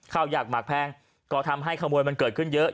อยากหมากแพงก็ทำให้ขโมยมันเกิดขึ้นเยอะ